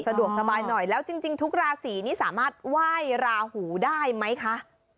สะดวกสบายหน่อยแล้วจริงทุกราศีนี้สามารถไหว้ราหูได้ไหมคะ